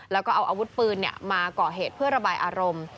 แล้วก็เอาอาวุธปืนมาก่อเหตุเพื่อระบายอารมณ์